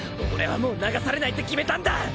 俺はもう流されないって決めたんだ！